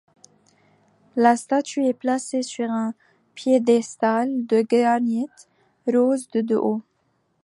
La statue est placée sur un piédestal de granite rose de de haut.